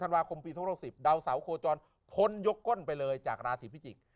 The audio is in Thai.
ธันวาคมปี๒๖๐ดาวเสาโคจรพ้นยกก้นไปเลยจากราศีพิจิกษ์